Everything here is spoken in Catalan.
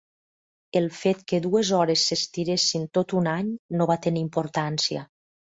El fet que dues hores s'estiressin tot un any no va tenir importància.